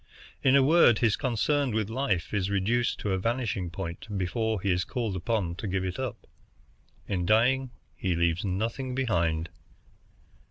In a word, his concern with life is reduced to a vanishing point before he is called on to give it up. In dying he leaves nothing behind."